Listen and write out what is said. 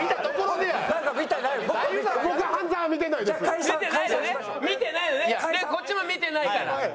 でこっちも見てないから。